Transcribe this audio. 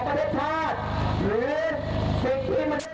คุณเอกประโยชน์ตณชาติ